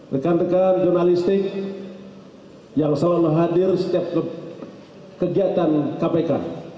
rekan rekan jurnalistik yang selalu hadir setiap kegiatan kpk